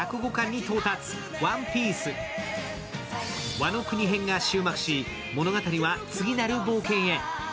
「ワノ国編」が終幕し、物語は次なる冒険へ！